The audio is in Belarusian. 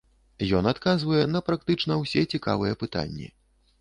Ён адказвае на практычна ўсе цікавыя пытанні.